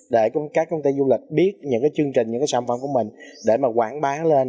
để các công ty du lịch biết những cái chương trình những cái sản phẩm của mình để mà quảng bá lên